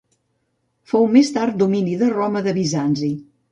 Fou més tard domini de Roma, de Bizanci.